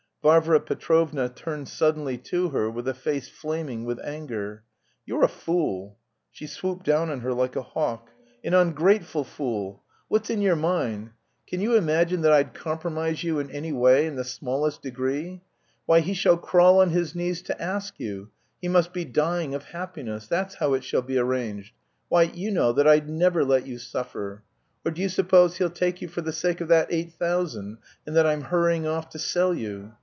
Varvara Petrovna turned suddenly to her with a face flaming with anger. "You're a fool!" She swooped down on her like a hawk. "An ungrateful fool! What's in your mind? Can you imagine that I'd compromise you, in any way, in the smallest degree. Why, he shall crawl on his knees to ask you, he must be dying of happiness, that's how it shall be arranged. Why, you know that I'd never let you suffer. Or do you suppose he'll take you for the sake of that eight thousand, and that I'm hurrying off to sell you?